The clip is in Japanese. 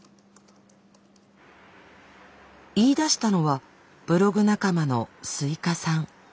言いだしたのはブログ仲間のスイカさん。